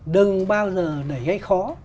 đừng bao giờ đẩy gây khó